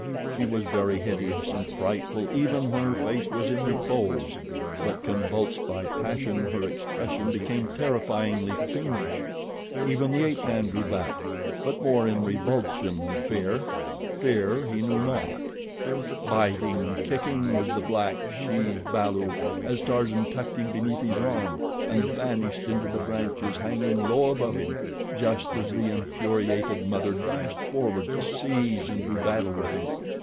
She was very hideous and frightful even when her face was in repose; but convulsed by passion, her expression became terrifyingly fiendish. Even the ape man drew back, but more in revulsion than fear fear he knew not. Biting and kicking was the black she's balu as Tarzan tucked him beneath his arm and vanished into the branches hanging low above him, just as the infuriated mother dashed forward to seize and do battle with him.